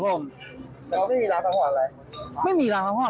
ตอนสุดท้ายไม่มีรักทั้งหรอก